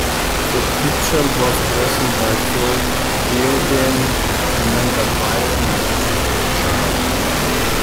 The pageant was presented by Phil Keoghan, Amanda Byram, and Angela Chow.